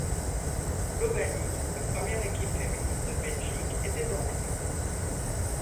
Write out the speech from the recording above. L'Ovalie, la première équipe féminine de Belgique, était donc née!